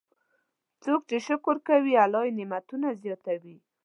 څوک چې شکر کوي، الله یې نعمتونه زیاتوي.